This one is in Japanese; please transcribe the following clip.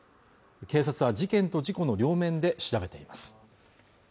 警察は事件と事故の両面で調べています